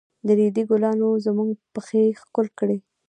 د ريدي ګلانو زموږ پښې ښکل کړې.